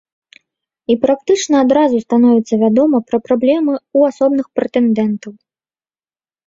І практычна адразу становіцца вядома пра праблемы ў асобных прэтэндэнтаў.